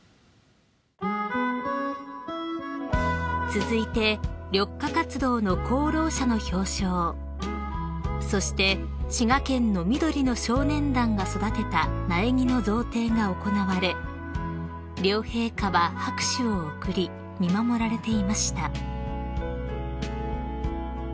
［続いて緑化活動の功労者の表彰そして滋賀県の緑の少年団が育てた苗木の贈呈が行われ両陛下は拍手を送り見守られていました］